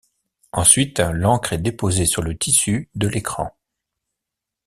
Ensuite, l'encre est déposée sur le tissu de l'écran.